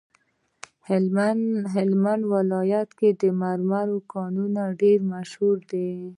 د هلمند ولایت د مرمرو کانونه ډیر مشهور دي.